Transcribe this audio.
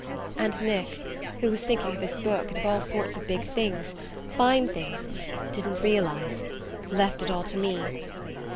"And Nick who was thinking of his book, and of all sorts of big things, fine things didn't realise... left it all to me...